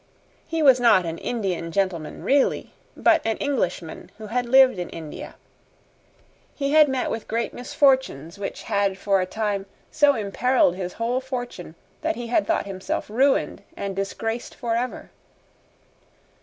He was not an Indian gentleman really, but an Englishman who had lived in India. He had met with great misfortunes which had for a time so imperilled his whole fortune that he had thought himself ruined and disgraced forever.